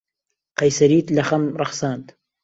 قەیسەریت لە خەم ڕەخساند.